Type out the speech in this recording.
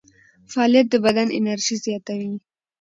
فعالیت د بدن انرژي زیاتوي.